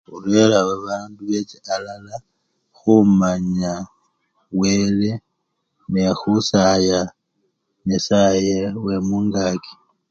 Khubolela bandu beche alala khumanya wele nekhusaya nyesaye wemungaki.